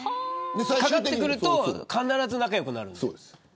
かかってくると必ず仲良くなるんです。